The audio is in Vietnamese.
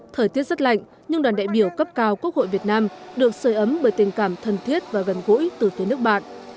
thời tiết rất lạnh nhưng đoàn đại biểu cấp cao quốc hội việt nam được sởi ấm bởi tình cảm thân thiết và gần gũi từ phía nước bạn